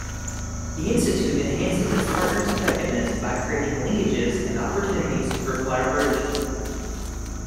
The institute enhances its partners' effectiveness by creating linkages and opportunities for collaboration.